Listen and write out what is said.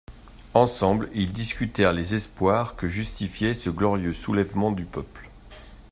Ensemble ils discutèrent les espoirs que justifiait ce glorieux soulèvement du peuple.